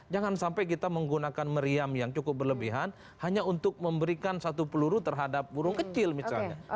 jangan sampai kita menggunakan meriam yang cukup berlebihan hanya untuk memberikan satu peluru terhadap burung kecil misalnya